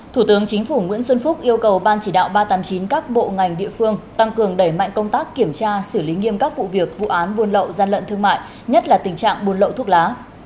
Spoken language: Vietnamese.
thủ tướng chính phủ nguyễn xuân phúc yêu cầu ban chỉ đạo ba trăm tám mươi chín các bộ ngành địa phương tăng cường đẩy mạnh công tác kiểm tra xử lý nghiêm các vụ việc vụ án buôn lậu gian lận thương mại nhất là tình trạng buôn lậu thuốc lá